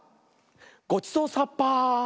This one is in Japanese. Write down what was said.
ごちそうさっぱ。